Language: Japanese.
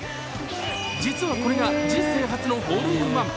実は、これが人生初のホールインワン。